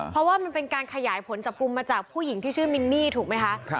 เพราะว่ามันเป็นการขยายผลจับกลุ่มมาจากผู้หญิงที่ชื่อมินนี่ถูกไหมคะ